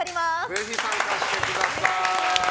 ぜひ参加してください！